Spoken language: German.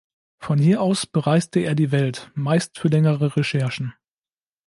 Von hier aus bereiste er die Welt, meist für längere Recherchen.